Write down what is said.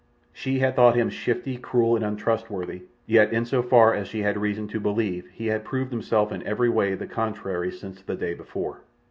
She had thought him shifty, cruel, and untrustworthy, yet in so far as she had reason to believe he had proved himself in every way the contrary since the day before.